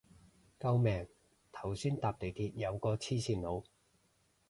救命頭先搭地鐵有個黐線佬